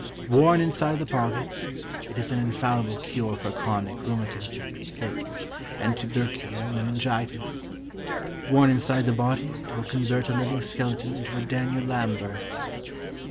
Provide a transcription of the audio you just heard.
Worn inside the pocket, it is an infallible cure for chronic rheumatism, fits, and tubercular meningitis. Worn inside the body it will convert a living skeleton into a Daniel Lambert.